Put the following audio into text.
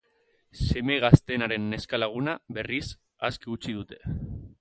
Seme gazteenaren neska-laguna, berriz, aske utzi dute.